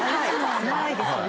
ないですね。